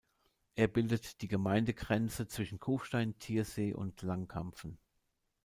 Er bildet die Gemeindegrenze zwischen Kufstein, Thiersee und Langkampfen.